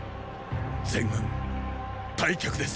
全軍退却です。